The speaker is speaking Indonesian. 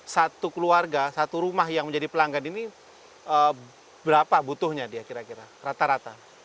satu keluarga satu rumah yang menjadi pelanggan ini berapa butuhnya dia kira kira rata rata